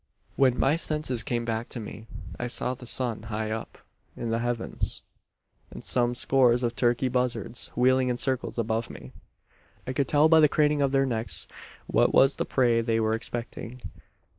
"When my senses came back to me, I saw the sun high up in the heavens, and some scores of turkey buzzards wheeling in circles above me. I could tell by the craning of their necks what was the prey they were expecting.